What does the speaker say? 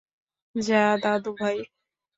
যা, দাদু ভাই।